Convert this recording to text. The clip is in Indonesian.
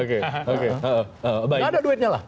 nggak ada duitnya lah